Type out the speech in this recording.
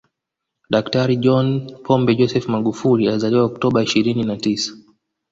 Daktari John Pombe Joseph Magufuli alizaliwa Oktoba ishirini na tisa